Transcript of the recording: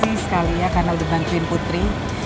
terima kasih sekali ya karena udah bantuin putri